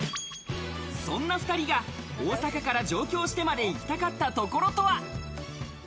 そんな２人が、大阪から上京してまで行きたかったところとは？